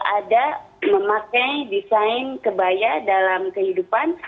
ada memakai desain kebaya dalam kehidupan